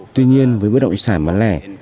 tuy nhiên với bất động sản bán lẻ